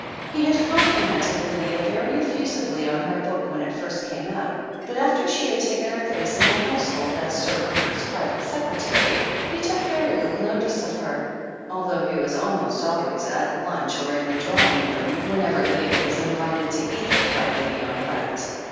He had complimented Lydia very effusively on her book when it first came out, but after she had taken her place in the household as Sir Rupert's private secre tary, he took very little notice of her, although he was almost always at lunch or in the drawing room when ever Lydia was invited to either by Lady Honoret.